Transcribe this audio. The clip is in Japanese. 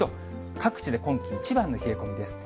各地で今季一番の冷え込みです。